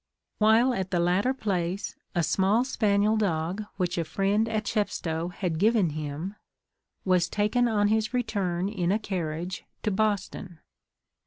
While at the latter place, a small spaniel dog which a friend at Chepstow had given him was taken on his return in a carriage to Boston.